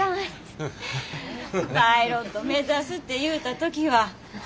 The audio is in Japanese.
パイロット目指すって言うた時はホンマ